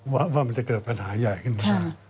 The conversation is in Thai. ว่ามันจะเกิดปัญหาใหญ่ขึ้นมา